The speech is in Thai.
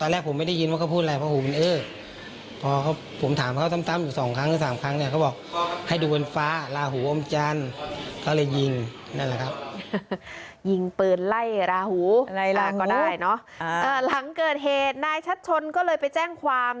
แล้วก็ได้อะไรหลังเกิดเหตุนายชัดชนก็เลยไปแจ้งความ